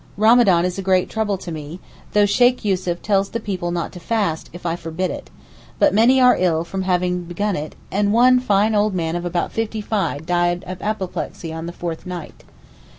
Ramadan is a great trouble to me, though Sheykh Yussuf tells the people not to fast, if I forbid it: but many are ill from having begun it, and one fine old man of about fifty five died of apoplexy on the fourth night.